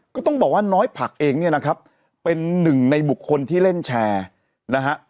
ก็ต้องบอกว่าน้อยผักเองเนี่ยนะครับเป็นหนึ่งในบุคคลที่เล่นแชร์นะฮะ